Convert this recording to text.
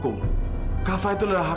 kamu bisa mulaijek melan dibalik sisi